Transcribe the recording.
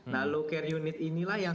nah low care unit inilah yang